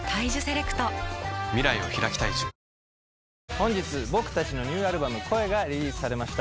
本日僕達のニューアルバム「声」がリリースされました